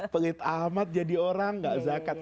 pelit ahmad jadi orang gak zakat